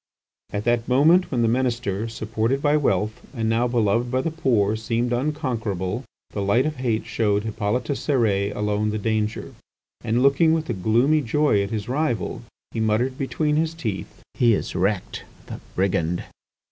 At that moment when the Minister, supported by wealth, and now beloved by the poor, seemed unconquerable, the light of hate showed Hippolyte Cérès alone the danger, and looking with a gloomy joy at his rival, he muttered between his teeth, "He is wrecked, the brigand!"